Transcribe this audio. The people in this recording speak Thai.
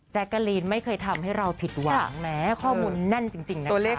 แจ๊กกะลีนไม่เคยทำให้เราผิดหวังนะข้อมูลแน่นจริงนะครับ